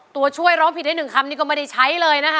ตัวช่วยร้องผิดได้๑คำนี่ก็ไม่ได้ใช้เลยนะคะ